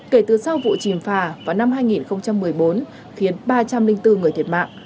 kể từ sau vụ chìm phà vào năm hai nghìn một mươi bốn khiến ba trăm linh bốn người thiệt mạng